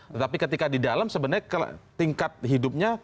tetapi ketika di dalam sebenarnya tingkat hidupnya